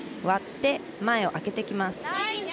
割って前を空けてきます。